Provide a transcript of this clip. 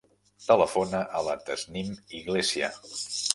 Telefona a la Tasnim Iglesia.